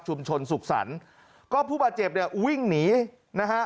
ชุมชนศุกรษรรณ์ก็ผู้บาดเจ็บเนี้ยวิ่งหนีนะฮะ